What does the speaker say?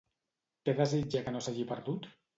Què desitja que no s'hagi perdut?